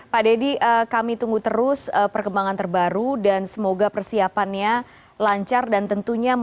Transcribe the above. pak deddy kami tunggu terus perkembangan terbaru dan semoga persiapannya lancar dan tentunya